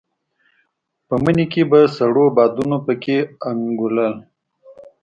په مني کې به سړو بادونو په کې انګولل.